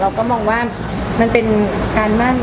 เราก็มองว่ามันเป็นการมั่น